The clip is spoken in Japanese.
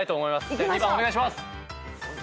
２番お願いします。